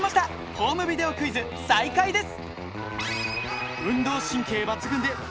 ホームビデオクイズ再開です